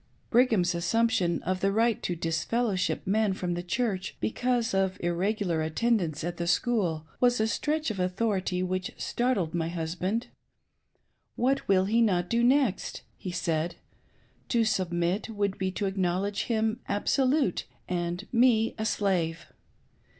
Brigham's assumption of the right to disfellowship men from the Church because of irregular attendance at the School was a stretch of authority which startled my husband: "What will he not do next?" he said. "To submit. would be to ac knowledge him absolute, and me a slave.